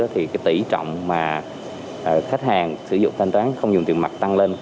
thì cái tỷ trọng mà khách hàng sử dụng thanh toán không dùng tiền mặt tăng lên